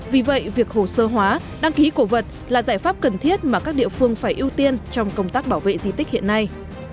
vì vậy việc hồ sơ hóa đăng ký cổ vật là giải pháp cần thiết mà các địa phương phải ưu tiên trong công tác bảo vệ di tích hiện nay